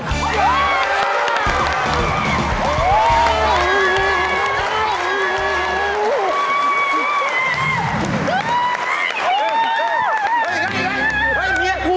เฮ่ยเดี๋ยวเมียกู